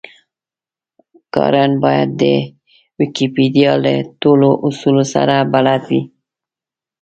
کارن بايد د ويکيپېډيا له ټولو اصولو سره بلد وي.